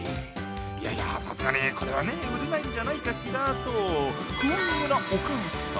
いやいや、さすがにこれは売れないんじゃないかしらと不安げなお母さん。